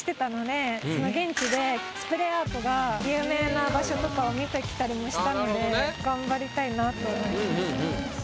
現地でスプレーアートが有名な場所とかを見てきたりもしたので頑張りたいなと。